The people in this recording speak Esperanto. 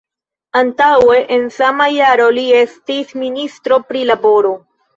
Antaŭe en sama jaro li estis ministro pri laboro.